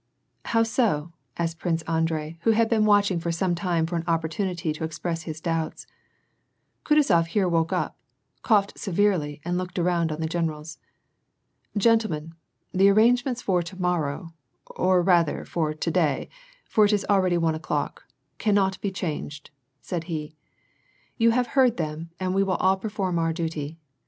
" How so ?" asked Prince Andrei who had been watching for some time for an opportunity to express his doubts. Kutuzof here woke up, coughed severely and looked around on the generals. "Gentlemen, the arrangements for to morrow — or rather for to day — for it's already one o'clock — cannot be changed," said he. " You have heard them, and we will all perform our duty.